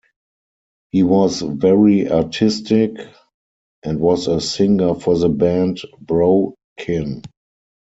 He was very artistic and was a singer for the band Bro-kin.